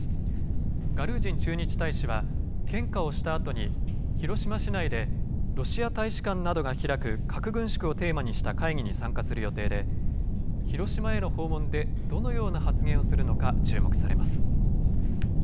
ガルージン駐日大使は、献花をしたあとに、広島市内で、ロシア大使館などが開く核軍縮をテーマにした会議に参加する予定で、広島への訪問でどのような発言をするのか注目されます。